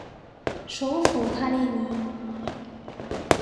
首府帕利尼。